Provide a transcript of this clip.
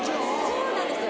そうなんですよ。